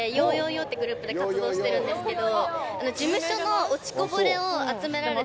ってグループで活動してるんですけど。